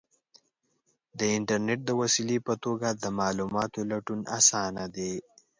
د انټرنیټ د وسیلې په توګه د معلوماتو لټون آسانه دی.